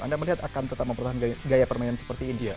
anda melihat akan tetap mempertahankan gaya permainan seperti india